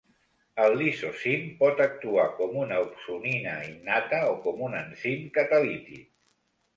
El lisozim pot actuar com una opsonina innata o com un enzim catalític.